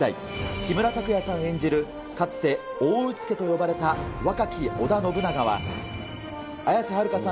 木村拓哉さん演じる、かつて大うつけと呼ばれた若き織田信長は、綾瀬はるかさん